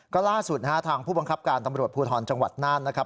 ก็ล่าสุดนะฮะทางผู้บังคับการตำรวจภูทรจังหวัดน่านนะครับ